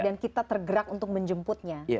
dan kita tergerak untuk menjemputnya